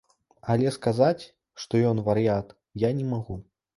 Але сказаць, што ён вар'ят, я не магу.